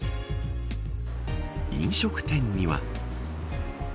飲食店には。